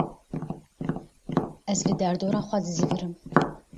Ez li derdora xwe dizîvirim.